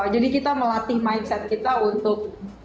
jadi kita melatih mindset kita untuk